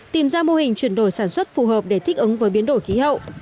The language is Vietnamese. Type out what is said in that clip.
tìm ra mô hình chuyển đổi sản xuất phù hợp để thích ứng với biến đổi khí hậu